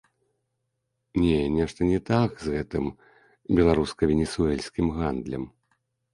Не, нешта не так з гэтым беларуска-венесуэльскім гандлем.